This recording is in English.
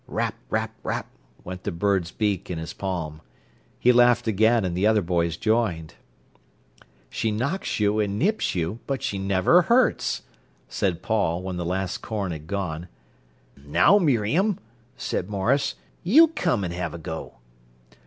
"Rap, rap, rap!" went the bird's beak in his palm. He laughed again, and the other boys joined. "She knocks you, and nips you, but she never hurts," said Paul, when the last corn had gone. "Now, Miriam," said Maurice, "you come an 'ave a go."